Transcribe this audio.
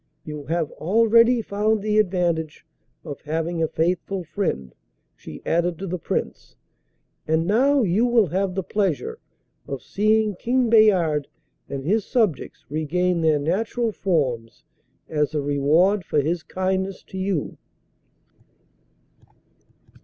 'You have already found the advantage of having a faithful friend,' she added to the Prince 'and now you will have the pleasure of seeing King Bayard and his subjects regain their natural forms as a reward for his kindness to you.